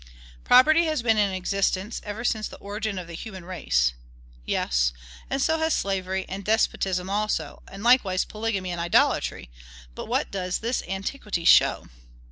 "Property has been in existence ever since the origin of the human race." Yes, and so has slavery, and despotism also; and likewise polygamy and idolatry. But what does this antiquity show?